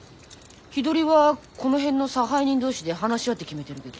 日取りはこの辺の差配人同士で話し合って決めてるけど。